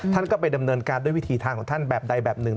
ท่านก็ไปดำเนินการด้วยวิธีทางของท่านแบบใดแบบหนึ่ง